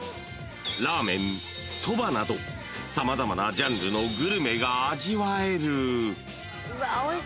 ［ラーメンそばなど様々なジャンルのグルメが味わえる］